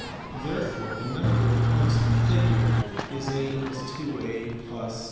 Therefore the number of points in the figure is a + 2a +.